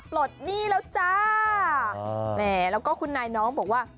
ปลดหนี้แล้วจ้าแหมแล้วก็คุณนายน้องบอกว่า